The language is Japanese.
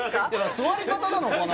座り方なのかな